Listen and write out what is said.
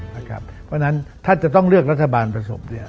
เพราะฉะนั้นถ้าจะต้องเลือกรัฐบาลประสบ